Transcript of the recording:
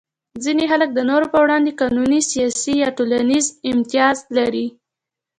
ځینې خلک د نورو په وړاندې قانوني، سیاسي یا ټولنیز امتیاز لري.